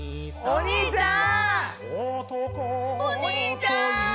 お兄ちゃん！